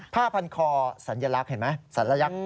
ผ้าพันคอสัญลักษณ์